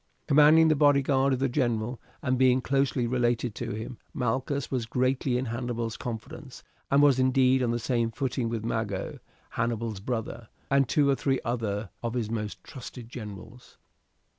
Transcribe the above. Commanding the bodyguard of the general, and being closely related to him, Malchus was greatly in Hannibal's confidence, and was indeed on the same footing with Mago, Hannibal's brother, and two or three other of his most trusted generals.